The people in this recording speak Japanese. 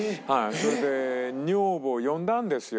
それで女房を呼んだんですよ。